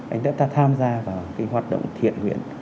anh đã tham gia vào hoạt động thiện nguyện